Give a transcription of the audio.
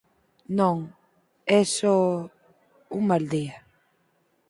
Non, é só... un mal día.